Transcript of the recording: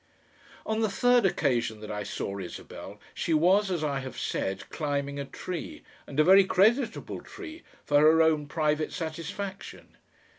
On the third occasion that I saw Isabel she was, as I have said, climbing a tree and a very creditable tree for her own private satisfaction.